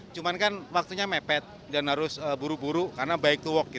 cuman kan waktunya mepet dan harus buru buru karena by to walk